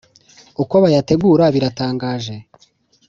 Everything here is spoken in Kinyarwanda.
Uko bayategura biratangaje.